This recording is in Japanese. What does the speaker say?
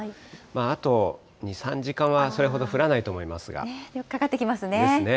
あと２、３時間はそれほど降らないと思いますが。ですね。